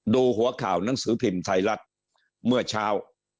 หัวข่าวหนังสือพิมพ์ไทยรัฐเมื่อเช้า